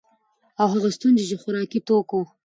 او هغه ستونزي چي د خوراکي توکو